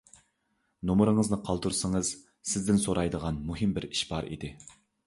نومۇرىڭىزنى قالدۇرسىڭىز، سىزدىن سورايدىغان مۇھىم بىر ئىش بار ئىدى.